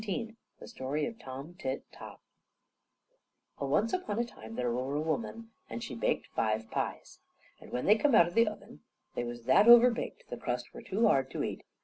XIX THE STORY OF TOM TIT TOT Well, once upon a time there were a woman, and she baked five pies. And when they come out of the oven, they was that overbaked the crust were too hard to eat.